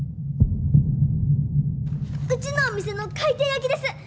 うちのお店の回転焼きです！